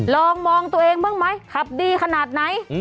ลองมองตัวเองบ้างไหมขับดีขนาดไหน